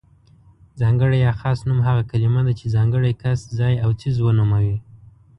ځانګړی يا خاص نوم هغه کلمه ده چې ځانګړی کس، ځای او څیز ونوموي.